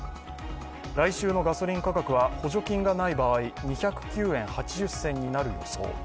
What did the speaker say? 来週のガソリン価格は補助金がない場合、２０９円８０銭になる予想。